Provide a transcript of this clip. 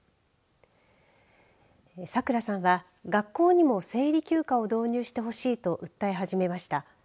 さくらさんは学校にも生理休暇を導入してほしいと訴え始めました。